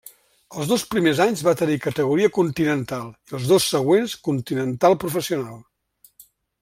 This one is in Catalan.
Els dos primers anys va tenir categoria continental i els dos següents continental professional.